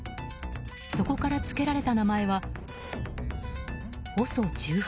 そこからつけられた名前はＯＳＯ１８。